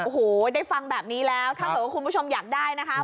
โอ้โหได้ฟังแบบนี้แล้วถ้าเกิดว่าคุณผู้ชมอยากได้นะคะ